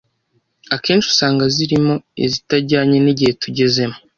akenshi usanga zirimo izitajyanye n’igihe tugezemo